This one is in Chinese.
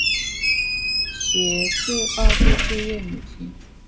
协助二度就业母亲